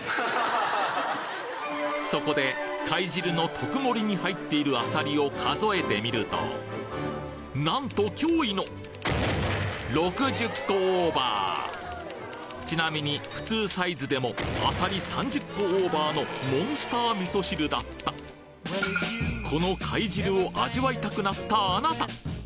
そこで貝汁の特盛に入っているあさりを数えてみるとなんと驚異の６０個オーバーちなみに普通サイズでもあさり３０個オーバーのモンスター味噌汁だったこの貝汁を味わいたくなったあなた！